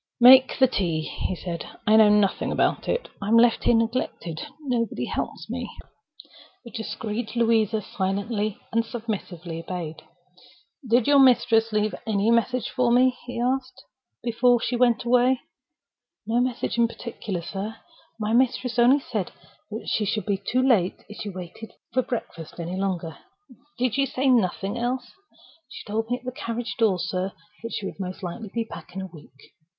"Make the tea," he said. "I know nothing about it. I'm left here neglected. Nobody helps me." The discreet Louisa silently and submissively obeyed. "Did your mistress leave any message for me," he asked, "before she went away?" "No message in particular, sir. My mistress only said she should be too late if she waited breakfast any longer." "Did she say nothing else?" "She told me at the carriage door, sir, that she would most likely be back in a week."